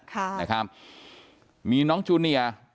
นางนาคะนี่คือยายน้องจีน่าคุณยายถ้าแท้เลย